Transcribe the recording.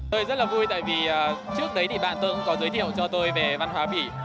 tôi rất là vui tại vì trước đấy thì bạn tôi cũng có giới thiệu cho tôi về văn hóa bỉ